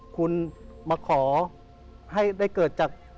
คุณมาขอให้ได้เกิดจาก